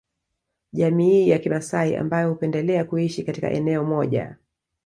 Jamii ya kimasai ambayo hupendelea kuishi katika eneo moja